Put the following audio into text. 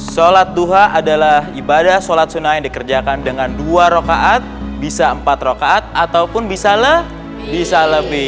sholat duha adalah ibadah sholat sunnah yang dikerjakan dengan dua rokaat bisa empat rokaat ataupun bisa lah bisa lebih